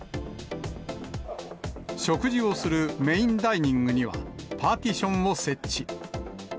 食事をするメインダイニングには、パーティションを設置。